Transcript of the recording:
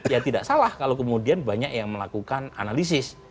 ya tidak salah kalau kemudian banyak yang melakukan analisis